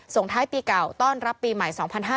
ส่งท้ายปีเก่าต้อนรับปีใหม่๒๕๕๙